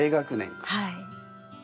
はい。